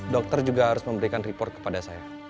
dokter juga harus memberikan report kepada saya